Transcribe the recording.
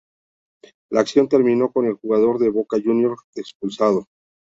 La acción, terminó con el jugador de Boca Juniors expulsado.